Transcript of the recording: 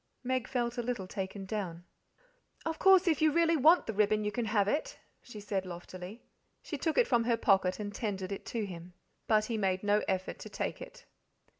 Meg felt a little taken down. "Of course, if you really want the ribbon you can have it," she said loftily. She took it from her pocket and tendered it to him. But he made no effort to take it.